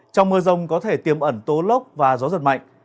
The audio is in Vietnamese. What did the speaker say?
trong mưa rông có thể tiêm ẩn tố lốc và gió giật mạnh